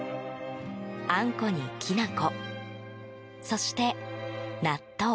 あんこに、きな粉そして、納豆。